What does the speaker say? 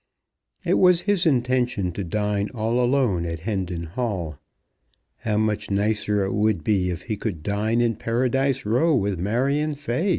It was his intention to dine all alone at Hendon Hall. How much nicer it would be if he could dine in Paradise Row with Marion Fay!